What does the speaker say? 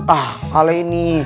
ah hal ini